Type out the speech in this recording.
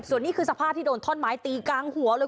ส่วนนี้คือสภาพที่โดนท่อนไม้ตีกลางหัวเลย